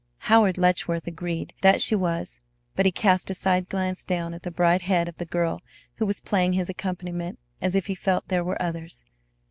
Howard Letchworth agreed that she was, but he cast a side glance down at the bright head of the girl, who was playing his accompaniment as if he felt there were others.